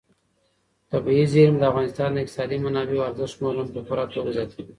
طبیعي زیرمې د افغانستان د اقتصادي منابعو ارزښت نور هم په پوره توګه زیاتوي.